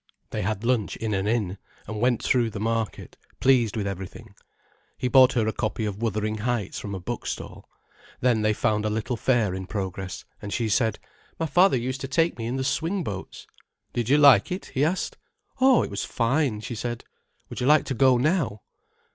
They had lunch in an inn, and went through the market, pleased with everything. He bought her a copy of Wuthering Heights from a bookstall. Then they found a little fair in progress and she said: "My father used to take me in the swingboats." "Did you like it?" he asked. "Oh, it was fine," she said. "Would you like to go now?"